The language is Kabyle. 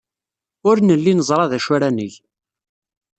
Ur nelli neẓra d acu ara neg.